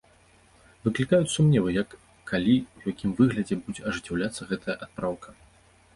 Выклікаюць сумневы, як, калі і ў якім выглядзе будзе ажыццяўляцца гэтая адпраўка.